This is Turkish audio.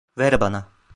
Ver bana.